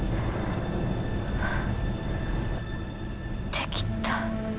できた。